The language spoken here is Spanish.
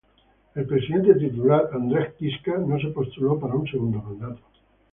El presidente titular Andrej Kiska no se postuló para un segundo mandato.